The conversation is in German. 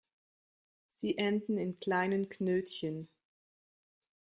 Sie enden in kleinen Knötchen.